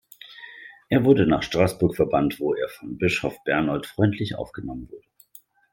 Er wurde nach Straßburg verbannt, wo er von Bischof Bernold freundlich aufgenommen wurde.